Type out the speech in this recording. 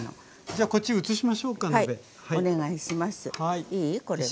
じゃあこっちへ移しましょうか鍋。